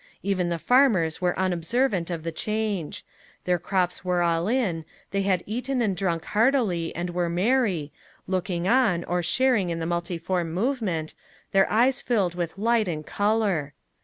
Even the farmers were unobservant of the change: their crops were all in, they had eaten and drunk heartily, and were merry, looking on or sharing in the multiform movement, their eyes filled with light and color.